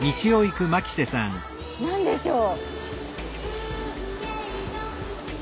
何でしょう？